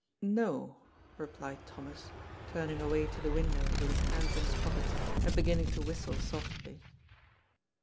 "No," replied Thomas, turning away to the window, with his hands in his pockets, and beginning to whistle softly.